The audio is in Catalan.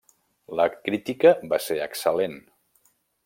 La crítica va ser excel·lent.